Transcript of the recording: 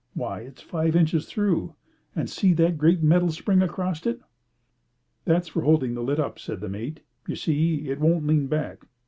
Why, it's five inches through. And see that great metal spring across it." "That's for holding the lid up," said the mate. "You see, it won't lean back.